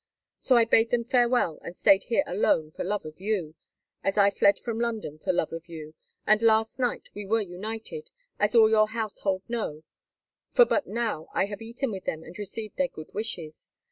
So I bade them farewell, and stayed here alone for love of you, as I fled from London for love of you, and last night we were united, as all your household know, for but now I have eaten with them and received their good wishes.